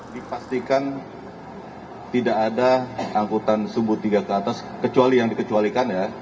dipastikan tidak ada angkutan subuh tiga ke atas kecuali yang dikecualikan ya